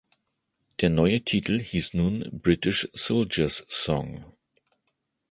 Der neue Titel hieß nun "British Soldier's Song".